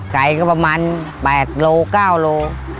ไก่ก็ประมาณ๘โล๙โล